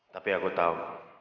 tapi aku tahu